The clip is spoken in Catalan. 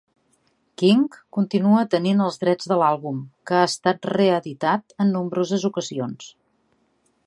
King continua tenint els drets de l'àlbum, que ha estat reeditat en nombroses ocasions.